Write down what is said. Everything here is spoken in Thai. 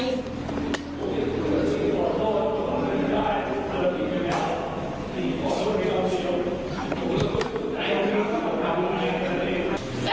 พี่ขอโทษกว่าไม่ได้พี่ขอโทษกว่าไม่ได้